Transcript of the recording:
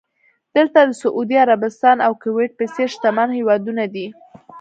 دلته د سعودي عربستان او کوېټ په څېر شتمن هېوادونه دي.